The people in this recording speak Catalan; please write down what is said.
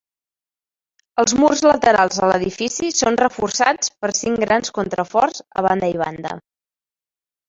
Els murs laterals de l'edifici són reforçats per cinc grans contraforts a banda i banda.